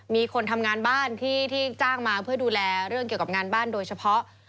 มีคนทำงานบ้านที่จ้างมาเพื่อดูแลเรื่องเกี่ยวกับงานบ้านโดยเฉพาะ